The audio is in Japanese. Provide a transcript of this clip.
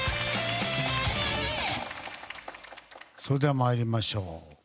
それでは参りましょう。